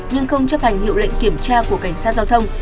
nhưng không chấp hành hiệu lệnh kiểm tra của cảnh sát giao thông